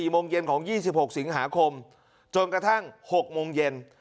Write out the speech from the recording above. โมงเย็นของ๒๖สิงหาคมจนกระทั่ง๖โมงเย็น